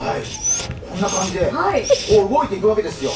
こんな感じで動いていくわけですよ。